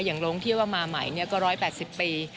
อย่างโรงที่ว่ามาใหม่เนี่ยก็๑๘๐ปี